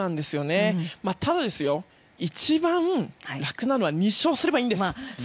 ただ、一番楽なのは２勝すればいいんです。